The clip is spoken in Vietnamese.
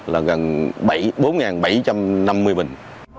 là gần bốn bảy trăm năm mươi bình